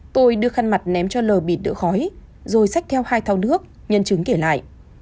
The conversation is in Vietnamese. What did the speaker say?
tôi đưa khăn mặt ném cho lờ bịt đỡ khói rồi sách theo hai thau nước nhân chứng kể lại